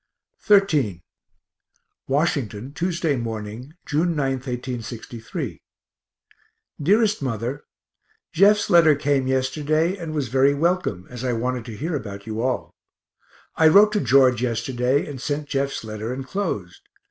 XIII Washington, Tuesday morning, June 9, 1863. DEAREST MOTHER Jeff's letter came yesterday and was very welcome, as I wanted to hear about you all. I wrote to George yesterday and sent Jeff's letter enclosed.